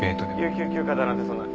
有給休暇だなんてそんな。